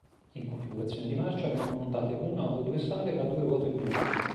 In configurazione di marcia, vengono montate una o due sale a due ruote pneumatiche.